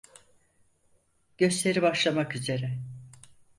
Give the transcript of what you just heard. Gösteri başlamak üzere.